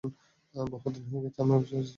বহুদিন হয়ে গেছে, - আমি অফিসে আছি।